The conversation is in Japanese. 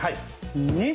２！